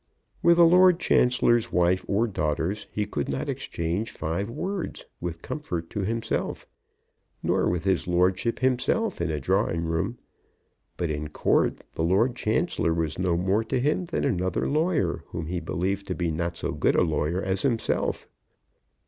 With the Lord Chancellor's wife or daughters he could not exchange five words with comfort to himself, nor with his lordship himself in a drawing room; but in Court the Lord Chancellor was no more to him than another lawyer whom he believed to be not so good a lawyer as himself.